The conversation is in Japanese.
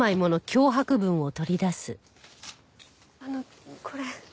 あのこれ。